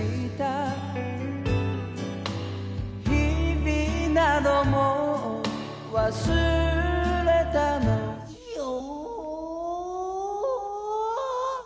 「日々などもう忘れたの」よ！